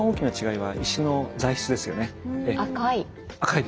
赤い。